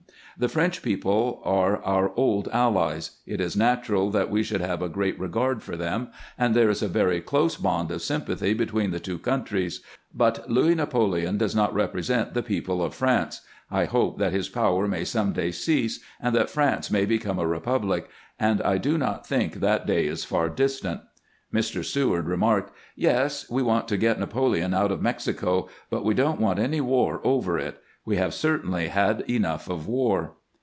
The French people are our old allies; it is natural that we should have a great regard for them, and there is a very close bond of sympathy between the two countries ; but Louis Napoleon does not represent the people of France. I hope that his power may some day cease, and that France may become a republic, and I do not think that day is far distant." Mr. Seward remarked, " Yes ; we want to get Napoleon out of Mexico, but we don't want any war over it ; we have certainly had enough of war."